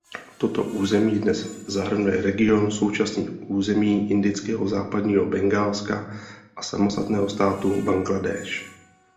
Toto území dnes zahrnuje region současných území indického Západního Bengálska a samostatného státu Bangladéš.